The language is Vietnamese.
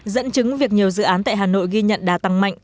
dẫn chứng việc nhiều dự án tại hà nội ghi nhận đá tăng mạnh